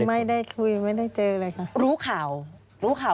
ควิทยาลัยเชียร์สวัสดีครับ